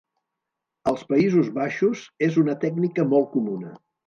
Als Països baixos és una tècnica molt comuna.